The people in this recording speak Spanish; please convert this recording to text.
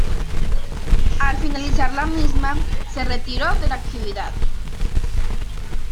Al finalizar la misma, se retiró de la actividad.